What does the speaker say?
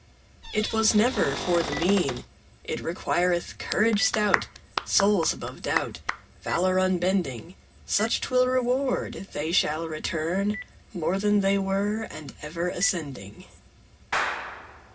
It was never for the mean; It requireth courage stout, Souls above doubt, 20 Valour unbending: Such 'twill reward;— They shall return More than they were, And ever ascending.